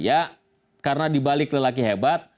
ya karena dibalik lelaki hebat